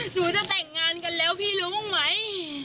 หนูจะแต่งงานกันแล้วพี่รู้บ้างไหม